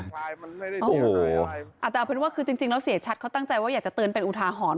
แต่เอาเป็นว่าคือจริงแล้วเสียชัดเขาตั้งใจว่าอยากจะเตือนเป็นอุทาหรณ์